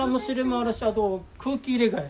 あと空気入れ替え。